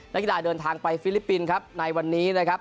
นักกีฬาเดินทางไปฟิลิปปินส์ครับในวันนี้นะครับ